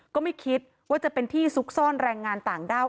ก็ไม่คิดว่าจะเป็นที่ซุกซ่อนแรงงานต่างด้าว